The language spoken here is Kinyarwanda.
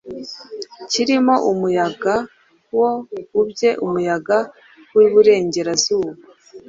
kirimo umuyaga woe, uibye umuyaga wiburengerazuba,